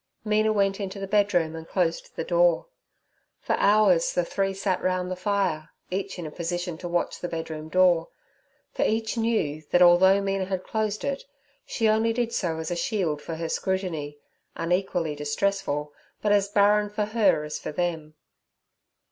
Mina went into the bedroom, and closed the door. For hours the three sat round the fire, each in a position to watch the bedroom door; for each knew that, although Mina had closed it, she only did so as a shield for her scrutiny, unequally distressful, but as barren for her as for them.